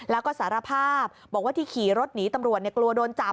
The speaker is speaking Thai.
แล้วก็สารภาพบอกว่าที่ขี่รถหนีตำรวจกลัวโดนจับ